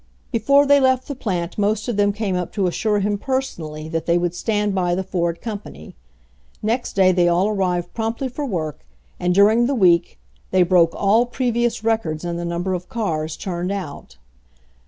Before they left the plant most of them came up to assure him personally that they would stand by the Ford company. Next day they all arrived promptly for work, and during the week the 1 broke all previous records in the number of c4 s turned out.